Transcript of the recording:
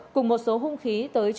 cùng một số hung khí